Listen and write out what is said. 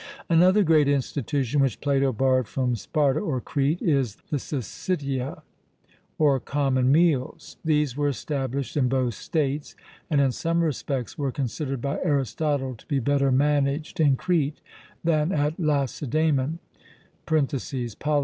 Another great institution which Plato borrowed from Sparta (or Crete) is the Syssitia or common meals. These were established in both states, and in some respects were considered by Aristotle to be better managed in Crete than at Lacedaemon (Pol.).